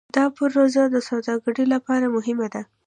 دا پروژه د سوداګرۍ لپاره مهمه ده.